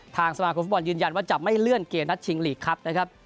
สมาคมฟุตบอลยืนยันว่าจะไม่เลื่อนเกมนัดชิงหลีกครับนะครับ